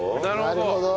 なるほど。